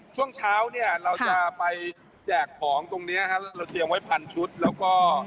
ช่วงเช้าเนี่ยเราจะไปแจกของตรงเนี้ยฮะเราเตรียมไว้พันชุดแล้วก็